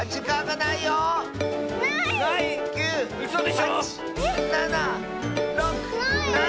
ない！